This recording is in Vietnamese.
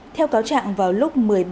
theo cáo trạng vào lúc một giờ